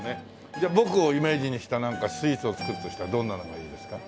じゃあ僕をイメージにしたなんかスイーツを作るとしたらどんなのがいいですか？